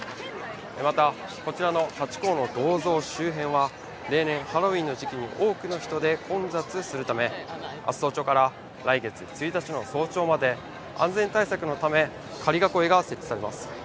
また、こちらのハチ公の銅像周辺は例年、ハロウィーンの時期に多くの人で混雑するため、あす早朝から来月１日の早朝まで、安全対策のため、仮囲いが設置されます。